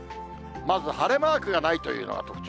まず晴れマークがないというのが特徴。